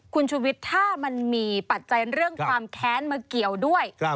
คุณชุวิตถ้ามันมีปัจจัยเรื่องความแค้นมาเกี่ยวด้วย